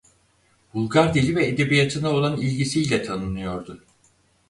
Bulgar Dili ve Edebiyatı'na olan ilgisiyle tanınıyordu.